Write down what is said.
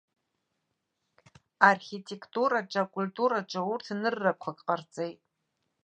Архитеқтураҿы, акультураҿы урҭ ныррақәак ҟарҵеит.